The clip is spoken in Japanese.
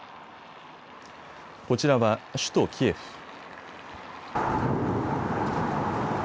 こちらは、首都キエフ。